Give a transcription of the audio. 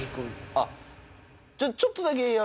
あっちょっとだけやる？